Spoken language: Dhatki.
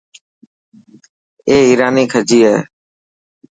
اي ايراني کجي هي.